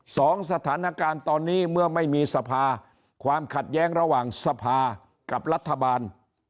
สถานการณ์ตอนนี้เมื่อไม่มีสภาความขัดแย้งระหว่างสภากับรัฐบาล